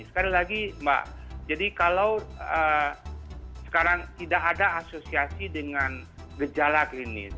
sekali lagi mbak jadi kalau sekarang tidak ada asosiasi dengan gejala klinis